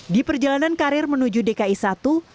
di perjalanan karir menuju dki satu